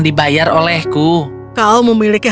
dibayar olehku kau memiliki